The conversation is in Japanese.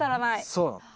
そうなの。